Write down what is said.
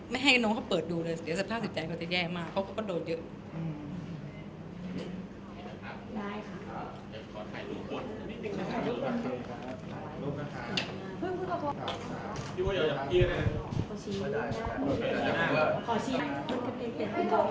แล้วจริงเรื่องนี้มันทำให้พ่อครัวเราเครียดหรือมีผลกระโค้ง